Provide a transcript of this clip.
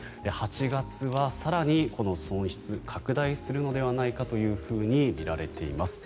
８月は更にこの損失拡大するのではないかとみられています。